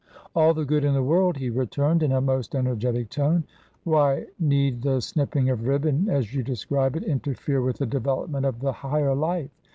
"All the good in the world!" he returned, in a most energetic tone. "Why need the snipping of ribbon, as you describe it, interfere with the development of the higher life?